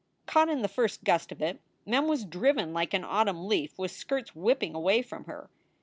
Caught in the first gust of it, Mem was driven like an autumn leaf with skirts whipping away from her.